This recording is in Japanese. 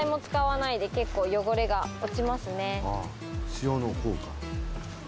塩の効果。